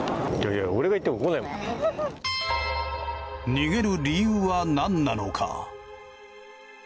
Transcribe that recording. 逃げる理由は何なのか。